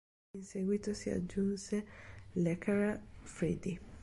In seguito si aggiunse Lercara Friddi.